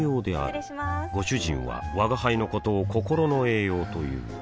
失礼しまーすご主人は吾輩のことを心の栄養という